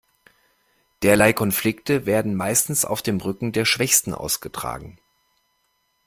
Derlei Konflikte werden meistens auf dem Rücken der Schwächsten ausgetragen.